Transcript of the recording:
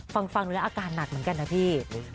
ฟังฟังเนื้ออาการหนักเหมือนกันนะพี่อืม